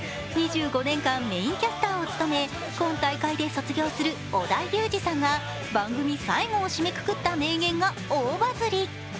２５年間メインキャスターを務め今大会で卒業する織田裕二さんが番組最後を締めくくった名言が大バズり。